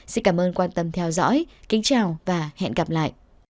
xin cảm ơn quan tâm theo dõi kính chào và hẹn gặp lại